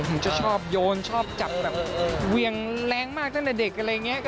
ผมจะชอบโยนชอบจับแบบเววียงแรงมากทั้งแต่เด็ก